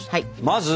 まず？